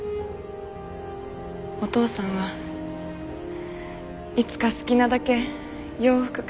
お父さんはいつか好きなだけ洋服買ってやるって。